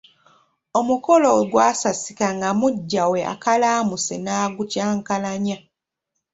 Omukolo gwasasika nga muggya we akaalaamuse n'agukyankalanya.